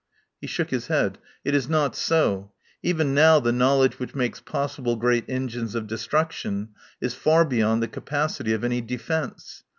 He shook his head. "It is not so. Even now the knowledge which makes possible great engines of destruction is far beyond the capacity of any defence.